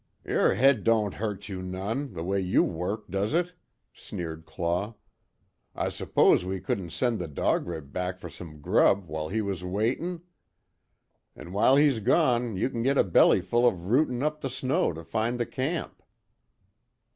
"Yer head don't hurt you none the way you work it, does it?" sneered Claw, "I s'pose we couldn't send the Dog Rib back fer some more grub while we was awaitin'? An' while he's gone you kin git a belly full of rootin' up the snow to find the camp."